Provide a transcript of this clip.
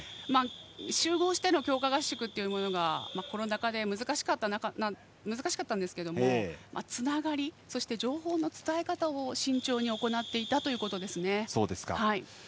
集合しての強化合宿というものがコロナ禍で難しかったんですがつながり、そして情報の伝え方を慎重に行っていたということです。